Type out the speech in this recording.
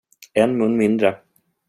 En mun mindre.